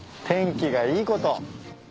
天気がいいこと。